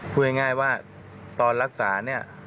พูดง่ายว่าตอนรักษาเนี่ย